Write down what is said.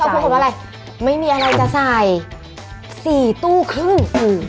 พูดคำว่าอะไรไม่มีอะไรจะใส่สี่ตู้ครึ่ง